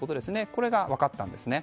これが分かったんですね。